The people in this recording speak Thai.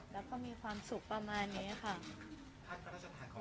แล้วก็มีความสุขประมาณนี้ค่ะ